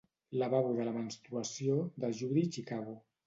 Lavabo de la menstruació, de Judy Chicago.